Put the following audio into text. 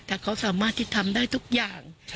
แต่เขาสามารถที่ทำได้ทุกอย่าง